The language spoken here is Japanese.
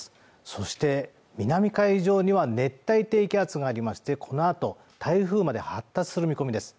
そして南海上には熱帯低気圧がありましてこのあと台風まで発達する見込みです